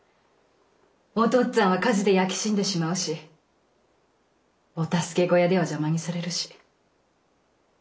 おとっつぁんは火事で焼け死んでしまうしお助け小屋では邪魔にされるし。